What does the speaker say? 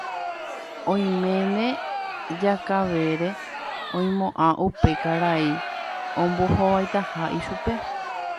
oiméne Jakavere oimo'ã upe karai ombohovaitaha ichupe.